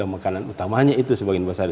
makanan utamanya itu sebagian besar